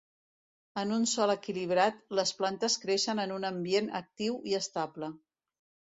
En un sòl equilibrat, les plantes creixen en un ambient actiu i estable.